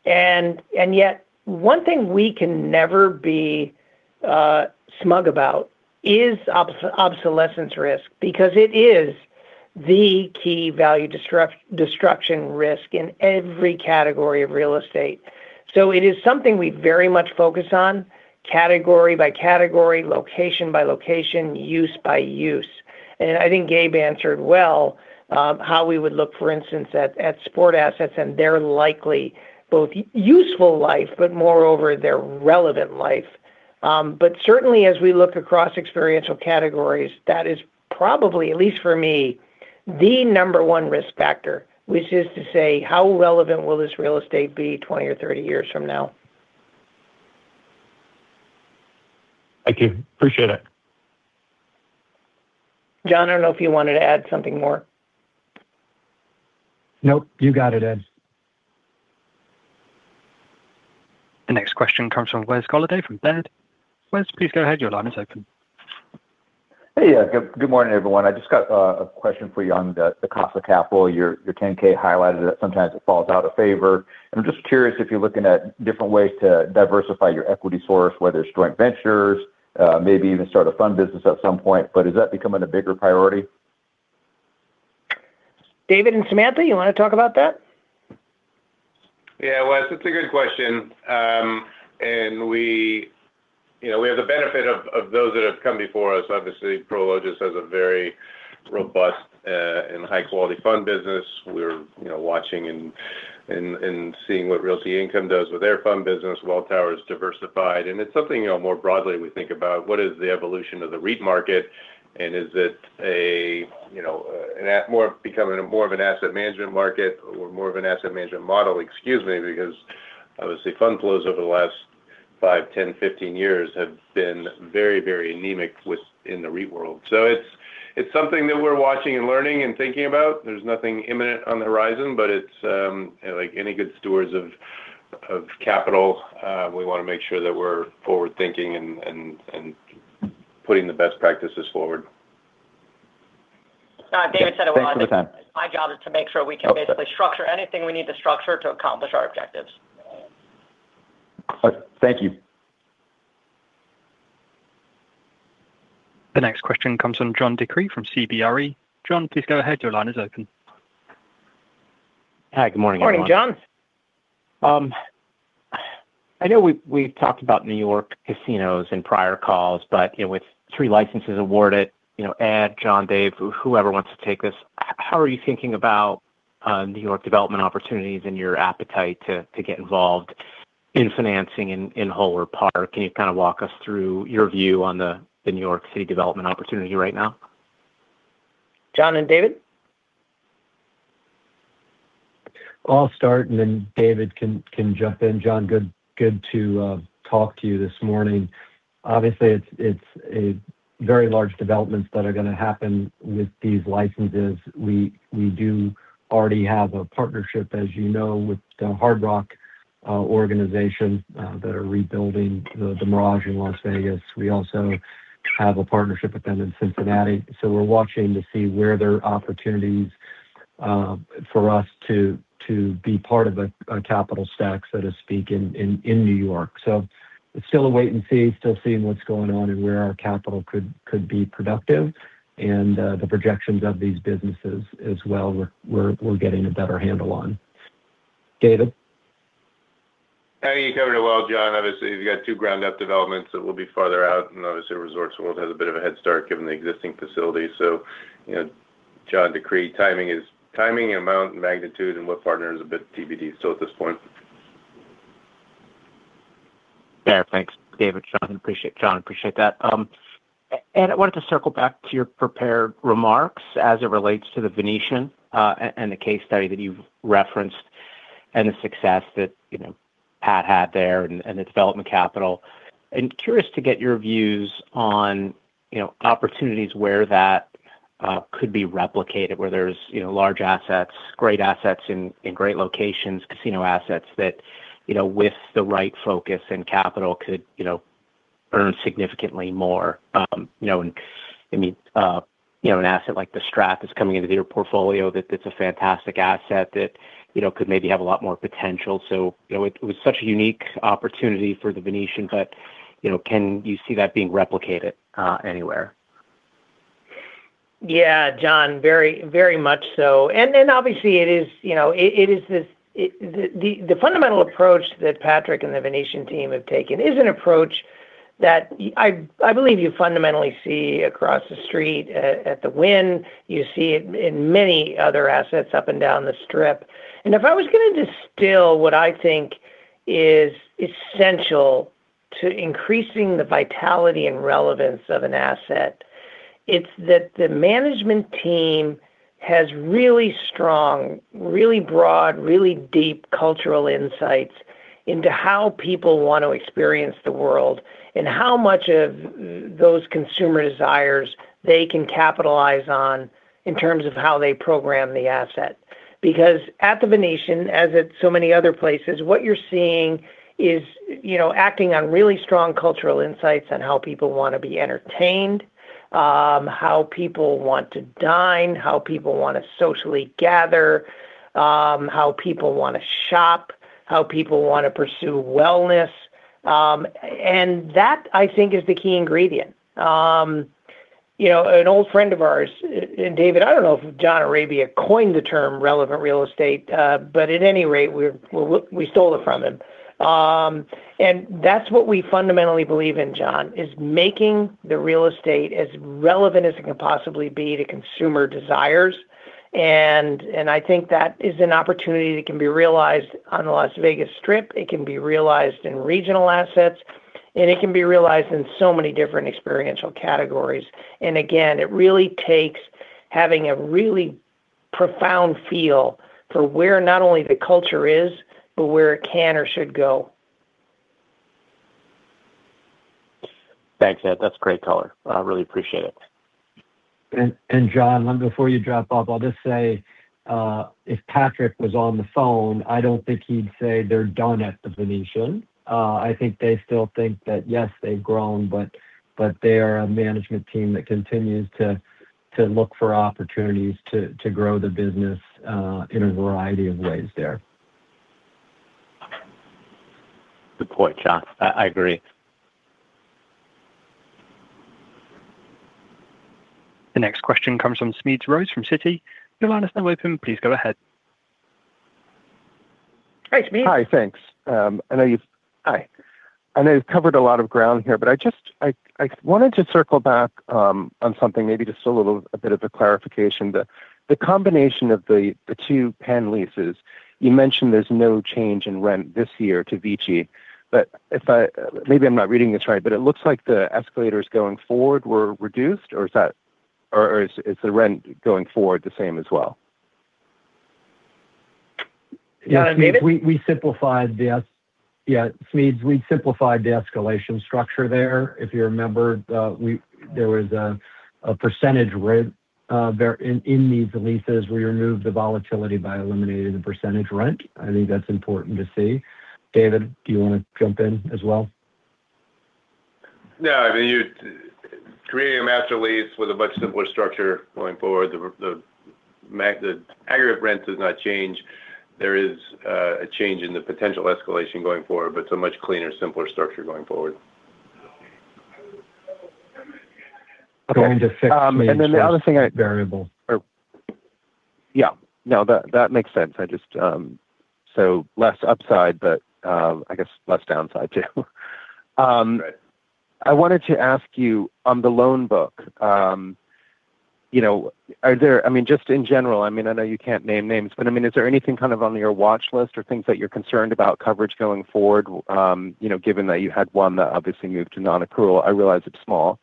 And yet one thing we can never be smug about is obsolescence risk, because it is the key value destruction risk in every category of real estate. It is something we very much focus on category by category, location by location, use by use. I think Gabe answered well, how we would look, for instance, at sport assets, and they're likely both useful life, but moreover, they're relevant life. Certainly as we look across experiential categories, that is probably, at least for me, the number one risk factor, which is to say, how relevant will this real estate be 20 or 30 years from now? Thank you. Appreciate it. John, I don't know if you wanted to add something more? Nope, you got it, Ed. The next question comes from Wes Golladay from Baird. Wes, please go ahead. Your line is open. Good morning, everyone. I just got a question for you on the cost of capital. Your 10-K highlighted it. Sometimes it falls out of favor. I'm just curious if you're looking at different ways to diversify your equity source, whether it's joint ventures, maybe even start a fund business at some point? Is that becoming a bigger priority? David and Samantha, you want to talk about that? Yeah, Wes, it's a good question. We, you know, we have the benefit of those that have come before us. Obviously, Prologis has a very robust and high-quality fund business. We're, you know, watching and seeing what Realty Income does with their fund business. Welltower is diversified, and it's something, you know, more broadly, we think about what is the evolution of the REIT market, and is it a, you know, more becoming more of an asset management market or more of an asset management model? Excuse me, because obviously, fund flows over the last five, 10, 15 years have been very, very anemic within the REIT world. It's, it's something that we're watching and learning and thinking about. There's nothing imminent on the horizon, but it's, like any good stewards of capital, we want to make sure that we're forward-thinking and putting the best practices forward. David said it well. Thank you for the time. My job is to make sure we can basically structure anything we need to structure to accomplish our objectives. Thank you. The next question comes from John DeCree from CBRE. John, please go ahead. Your line is open. Hi, good morning. Morning, John. I know we've talked about New York casinos in prior calls. You know, with three licenses awarded, you know, Ed, John, Dave, whoever wants to take this, how are you thinking about New York development opportunities and your appetite to get involved in financing in whole or part? Can you kind of walk us through your view on the New York City development opportunity right now? John and David? I'll start, then David can jump in. John, good to talk to you this morning. Obviously, it's a very large developments that are going to happen with these licenses. We do already have a partnership, as you know, with the Hard Rock organization that are rebuilding the Mirage in Las Vegas. We also have a partnership with them in Cincinnati. We're watching to see where there are opportunities for us to be part of a capital stack, so to speak, in New York. It's still a wait and see, still seeing what's going on and where our capital could be productive and the projections of these businesses as well, we're getting a better handle on. David? I think you covered it well, John. Obviously, you've got two ground-up developments that will be farther out, and obviously, Resorts World has a bit of a head start given the existing facilities. You know, John DeCree, timing is timing, amount, and magnitude and what partner is a bit TBD, so at this point. Fair. Thanks, David. John, appreciate that. I wanted to circle back to your prepared remarks as it relates to The Venetian, and the case study that you've referenced and the success that, you know, Pat had there and the development capital. I'm curious to get your views on, you know, opportunities where that could be replicated, where there's, you know, large assets, great assets in great locations, casino assets that, you know, with the right focus and capital could, you know, earn significantly more. You know, I mean, you know, an asset like the Strip is coming into your portfolio, that it's a fantastic asset that, you know, could maybe have a lot more potential. You know, it was such a unique opportunity for The Venetian, you know, can you see that being replicated anywhere? Yeah, John, very much so. obviously, it is, you know, it is this, the fundamental approach that Patrick and The Venetian team have taken is an approach that I believe you fundamentally see across the street at The Wynn. You see it in many other assets up and down the Strip. If I was gonna distill what I think is essential to increasing the vitality and relevance of an asset. It's that the management team has really strong, really broad, really deep cultural insights into how people want to experience the world and how much of those consumer desires they can capitalize on in terms of how they program the asset. At The Venetian, as at so many other places, what you're seeing is, you know, acting on really strong cultural insights on how people want to be entertained, how people want to dine, how people want to socially gather, how people want to shop, how people want to pursue wellness. That, I think, is the key ingredient. You know, an old friend of ours, David, I don't know if John Arabia coined the term relevant real estate, but at any rate, we stole it from him. That's what we fundamentally believe in, John, is making the real estate as relevant as it can possibly be to consumer desires, and I think that is an opportunity that can be realized on the Las Vegas Strip, it can be realized in regional assets, and it can be realized in so many different experiential categories. Again, it really takes having a really profound feel for where not only the culture is, but where it can or should go. Thanks, Ed. That's great color. I really appreciate it. John, before you drop off, I'll just say, if Patrick was on the phone, I don't think he'd say they're done at The Venetian. I think they still think that, yes, they've grown, but they are a management team that continues to look for opportunities to grow the business, in a variety of ways there. Good point, John. I agree. The next question comes from Smedes Rose from Citi. Your line is now open, please go ahead. Hey, Smedes. Hi, thanks. Hi. I know you've covered a lot of ground here. I just wanted to circle back on something, maybe just a little, a bit of a clarification. The combination of the two Venetian leases, you mentioned there's no change in rent this year to VICI. If I, maybe I'm not reading this right, but it looks like the escalators going forward were reduced, or is that, or is the rent going forward the same as well? Yeah, Smedes- Yeah, Smedes, we simplified the escalation structure there. If you remember, we, there was a percentage rent there, in these leases. We removed the volatility by eliminating the percentage rent. I think that's important to see. David, do you want to jump in as well? No, I mean, you're creating a master lease with a much simpler structure going forward. The aggregate rent does not change. There is a change in the potential escalation going forward. It's a much cleaner, simpler structure going forward. Going to fix- Then the other thing. Variable. Yeah. No, that makes sense. I just, so less upside, but I guess less downside too. I wanted to ask you on the loan book, you know, are there I mean, just in general, I mean, I know you can't name names, but I mean, is there anything kind of on your watchlist or things that you're concerned about coverage going forward, you know, given that you had one that obviously moved to non-accrual? I realize it's small,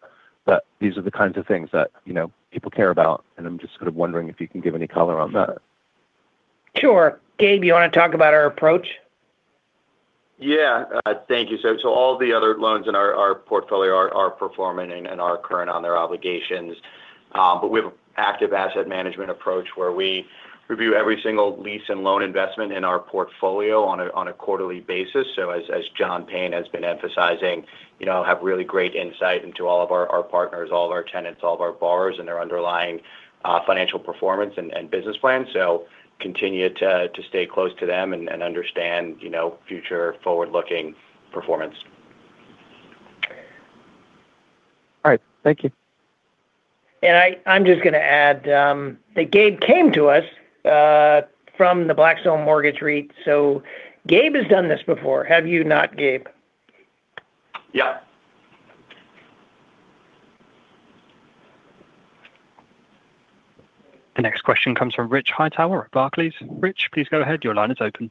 but these are the kinds of things that, you know, people care about, and I'm just sort of wondering if you can give any color on that. Sure. Gabe, you want to talk about our approach? Thank you, sir. All the other loans in our portfolio are performing and are current on their obligations. We have an active asset management approach, where we review every single lease and loan investment in our portfolio on a quarterly basis. As John Payne has been emphasizing, you know, have really great insight into all of our partners, all of our tenants, all of our borrowers, and their underlying financial performance and business plans. Continue to stay close to them and understand, you know, future forward-looking performance. All right. Thank you. I'm just gonna add that Gabe came to us from the Blackstone Mortgage REIT, so Gabe has done this before. Have you not, Gabe? Yep. The next question comes from Rich Hightower at Barclays. Rich, please go ahead. Your line is open.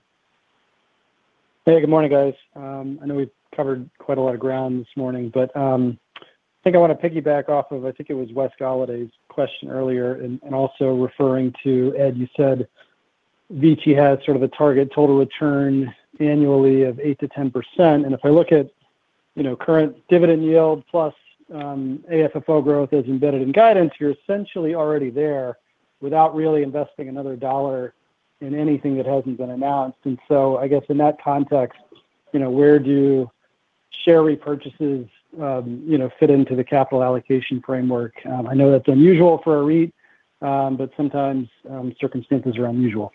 Hey, good morning, guys. I know we've covered quite a lot of ground this morning, but, I think I want to piggyback off of, I think it was Wes Golladay's question earlier, and also referring to, Ed, you said VICI has sort of a target total return annually of 8%-10%. If I look at, you know, current dividend yield plus, AFFO growth as embedded in guidance, you're essentially already there without really investing another $1 in anything that hasn't been announced. So I guess in that context, you know, where do share repurchases, you know, fit into the capital allocation framework? I know that's unusual for a REIT, but sometimes, circumstances are unusual.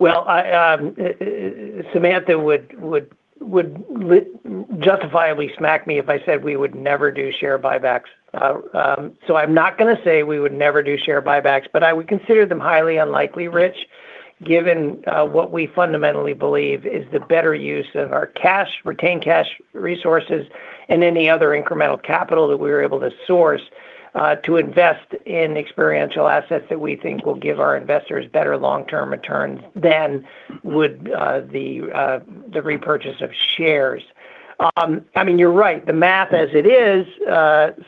Well, I, Samantha Gallagher would justifiably smack me if I said we would never do share buybacks. I'm not gonna say we would never do share buybacks, but I would consider them highly unlikely, Rich Hightower, given what we fundamentally believe is the better use of our cash, retained cash resources and any other incremental capital that we're able to source, to invest in experiential assets that we think will give our investors better long-term returns than would the repurchase of shares. I mean, you're right, the math, as it is,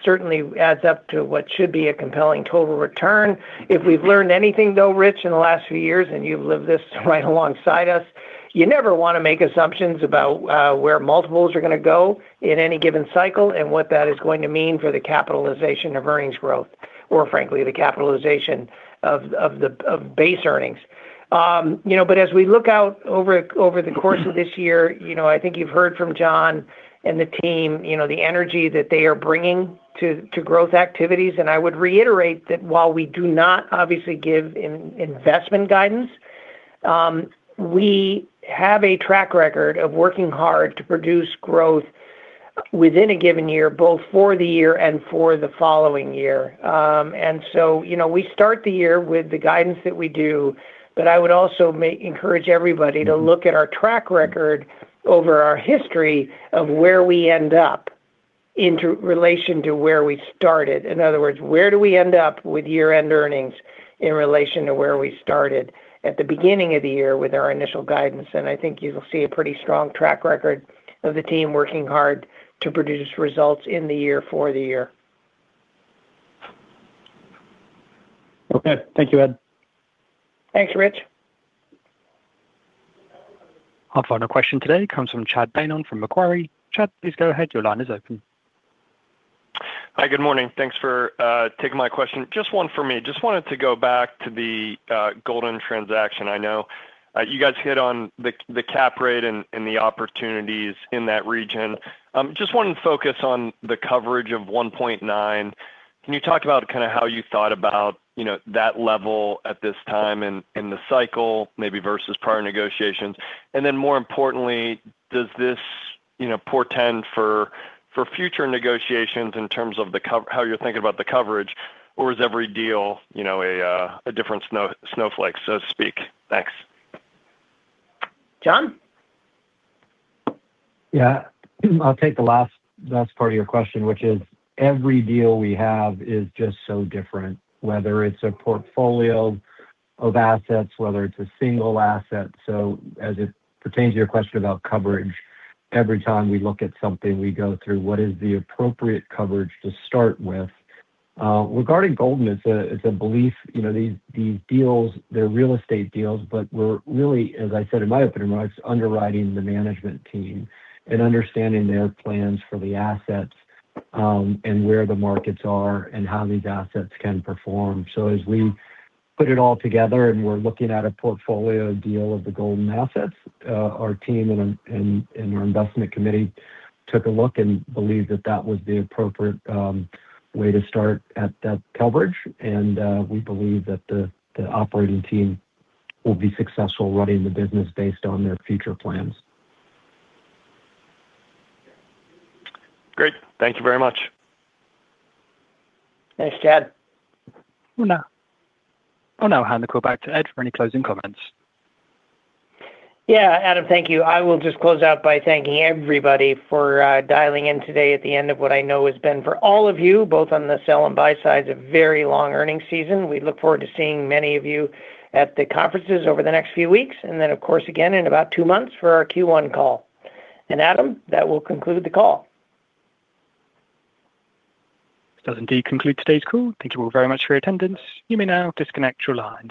certainly adds up to what should be a compelling total return. If we've learned anything, though, Rich, in the last few years, and you've lived this right alongside us, you never wanna make assumptions about where multiples are gonna go in any given cycle, and what that is going to mean for the capitalization of earnings growth or frankly, the capitalization of the base earnings. You know, as we look out over the course of this year, you know, I think you've heard from John and the team, you know, the energy that they are bringing to growth activities. I would reiterate that while we do not obviously give in-investment guidance, we have a track record of working hard to produce growth within a given year, both for the year and for the following year. You know, we start the year with the guidance that we do, but I would also encourage everybody to look at our track record over our history of where we end up in relation to where we started. In other words, where do we end up with year-end earnings in relation to where we started at the beginning of the year with our initial guidance? I think you'll see a pretty strong track record of the team working hard to produce results in the year for the year. Okay, thank you, Ed. Thanks, Rich. Our final question today comes from Chad Beynon from Macquarie. Chad, please go ahead. Your line is open. Hi, good morning. Thanks for taking my question. Just one for me. Just wanted to go back to the Golden transaction. I know you guys hit on the cap rate and the opportunities in that region. Just wanted to focus on the coverage of 1.9. Can you talk about kind of how you thought about, you know, that level at this time in the cycle, maybe versus prior negotiations? More importantly, does this, you know, portend for future negotiations in terms of how you're thinking about the coverage? Or is every deal, you know, a different snowflake, so to speak? Thanks. John? Yeah. I'll take the last part of your question, which is every deal we have is just so different, whether it's a portfolio of assets, whether it's a single asset. As it pertains to your question about coverage, every time we look at something, we go through what is the appropriate coverage to start with. Regarding Golden, it's a belief, you know, these deals, they're real estate deals, but we're really, as I said, in my opinion, Rich, underwriting the management team and understanding their plans for the assets, and where the markets are and how these assets can perform. As we put it all together, and we're looking at a portfolio deal of the Golden assets, our team and our investment committee took a look and believed that that was the appropriate way to start at that coverage. We believe that the operating team will be successful running the business based on their future plans. Great. Thank you very much. Thanks, Chad. We'll now hand it back to Ed for any closing comments. Yeah, Adam, thank you. I will just close out by thanking everybody for dialing in today at the end of what I know has been for all of you, both on the sell and buy side, a very long earnings season. We look forward to seeing many of you at the conferences over the next few weeks, then, of course, again in about two months for our Q1 call. Adam, that will conclude the call. This does indeed conclude today's call. Thank you all very much for your attendance. You may now disconnect your line.